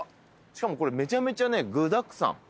しかもこれめちゃめちゃ具だくさん。